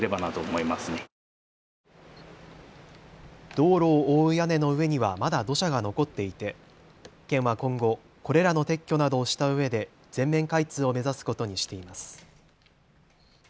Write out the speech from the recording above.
道路を覆う屋根の上にはまだ土砂が残っていて県は今後、これらの撤去などをしたうえで全面開通を目指すことにしています。